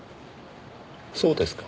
そうですか。